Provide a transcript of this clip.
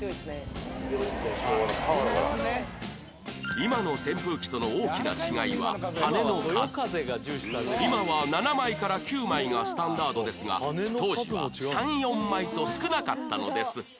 今の扇風機との大きな今は７枚から９枚がスタンダードですが当時は３４枚と少なかったのです